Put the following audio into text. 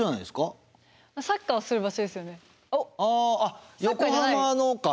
あああ横浜のか！